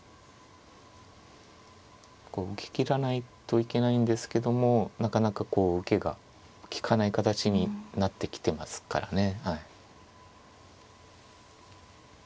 こう受けきらないといけないんですけどもなかなかこう受けが利かない形になってきてますからね。